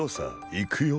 いくよ。